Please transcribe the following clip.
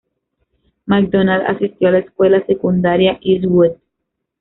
Macdonald asistió a la Escuela Secundaria Eastwood.